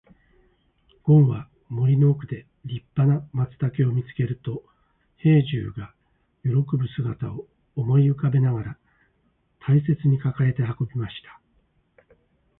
ごんは森の奥で立派な松茸を見つけると、兵十が喜ぶ姿を思い浮かべながら大切に抱えて運びました。